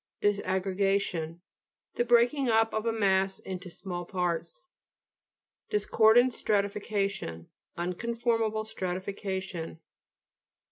DISAGGREBA'TION The breaking up of a mass into small parts. DlSCORDAKT STRATIFICATION Un conformable stratification.